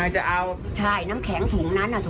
ใช่น้ำแข็งถุงนั้น